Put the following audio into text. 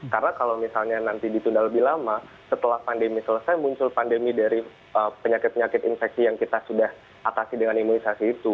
karena kalau misalnya nanti ditunda lebih lama setelah pandemi selesai muncul pandemi dari penyakit penyakit infeksi yang kita sudah atasi dengan imunisasi itu